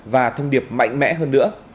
và thông điệp mạnh mẽ hơn nữa